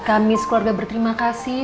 kami sekeluarga berterima kasih